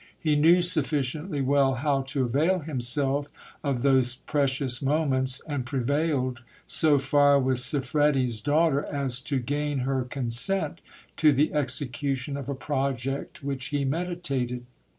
He knew sufficiently well how to avail himself of those precious moments, and prevailed so far with Siffredi's daughter, as to • gain her consent to the execution of a project which he meditated.